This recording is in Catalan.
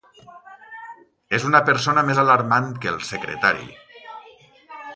És una persona més alarmant que el secretari.